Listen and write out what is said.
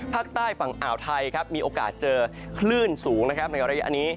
ภาคใต้ฝั่งอ่าวไทยมีโอกาสเจอคลื่นสูงในระยะนี้